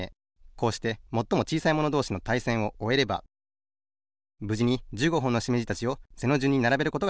こうしてもっともちいさいものどうしのたいせんをおえればぶじに１５ほんのしめじたちを背のじゅんにならべることができました。